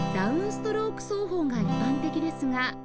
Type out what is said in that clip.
ストローク奏法が一般的ですが